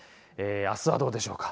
あすはどうでしょうか。